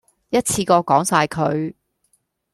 一次過講曬佢